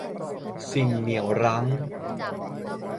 สิ่งเหนี่ยวรั้ง